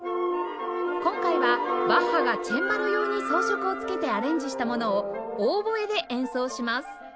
今回はバッハがチェンバロ用に装飾をつけてアレンジしたものをオーボエで演奏します